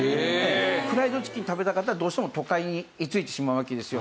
フライドチキン食べたかったらどうしても都会に居着いてしまうわけですよ。